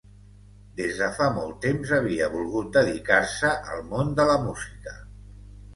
Des de fa molt temps havia volgut dedicar-se al món de la música.